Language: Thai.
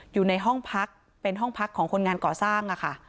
อยู่ในห้องพักเป็นห้องพักของคนงานก่อสร้างค่ะ